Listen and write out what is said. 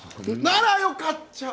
ならよかっちゃ。